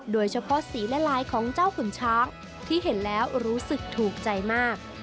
โดยเฉพาะสีและลายของเจ้าขุนช้างที่เห็นแล้วรู้สึกถูกใจมาก